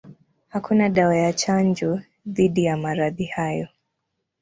Hakuna dawa ya chanjo dhidi ya maradhi hayo.